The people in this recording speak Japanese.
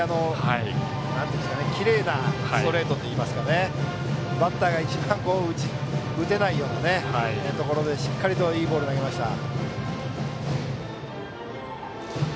きれいなストレートといいますかバッターが一番打てないようなところでしっかりいいボールを投げました。